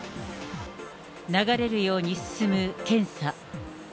流れるように進む検査。